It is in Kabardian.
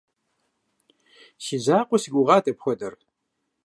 Си закъуэ си гугъат апхуэдэр.